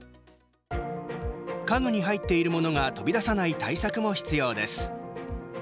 家具に入っているものが飛び出さない対策も必要です。